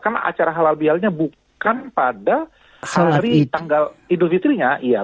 karena acara halal bihalnya bukan pada hari tanggal idul fitrinya iya